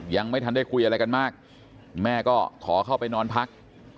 ยังไม่ทันได้คุยอะไรกันมากแม่ก็ขอเข้าไปนอนพัก